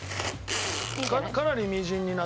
かなりみじんになったな。